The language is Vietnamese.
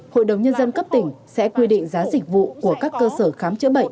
hội đồng nhân dân cấp tỉnh sẽ quy định giá dịch vụ của các cơ sở khám chữa bệnh